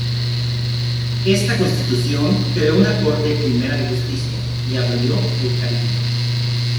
Esa constitución creó una "Corte Primera de Justicia" y abolió el Cabildo.